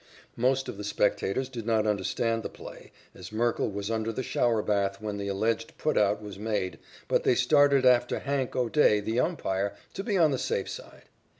Most of the spectators did not understand the play, as Merkle was under the shower bath when the alleged put out was made, but they started after "Hank" O'Day, the umpire, to be on the safe side.